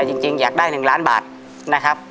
จริงอยากได้๑ล้านบาทนะครับ